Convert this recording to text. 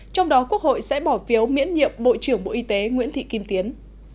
trong đó quốc hội sẽ bỏ phiếu miễn nhiệm bộ trưởng bộ y tế nguyễn thị kim tiến